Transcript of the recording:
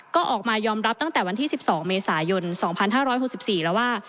ก็ออกมายอมรับตั้งแต่วันที่๑๒เมษายน๒๕๖๔แล้วว่า